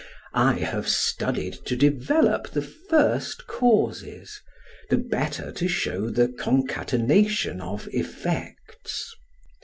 I have studied to develop the first causes, the better to show the concatenation of effects.